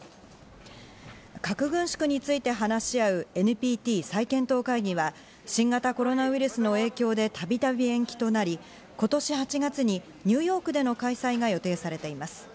核軍縮について話し合うＮＰＴ再検討会議は、新型コロナウイルスの影響でたびたび延期となり、今年８月にニューヨークでの開催が予定されています。